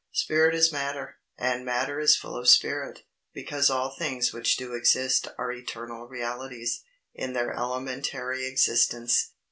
Spirit is matter, and matter is full of spirit. Because all things which do exist are eternal realities, in their elementary existence.